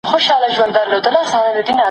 حضوري تدريس عملي تجربه پياوړي کړي ده.